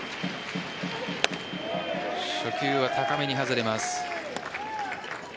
初球は高めに外れます。